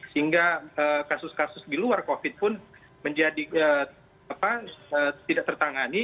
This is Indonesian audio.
sehingga kasus kasus di luar covid pun tidak tertangani